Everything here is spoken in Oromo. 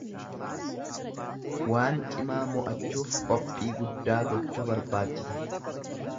Waan cimaa mo'achuuf qophii guddaa gochuu barbaachisa.